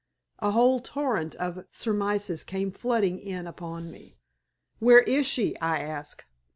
A whole torrent of surmises came flooding in upon me. "Where is she?" I asked.